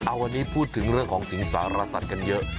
วันนี้พูดถึงเรื่องของสิงสารสัตว์กันเยอะ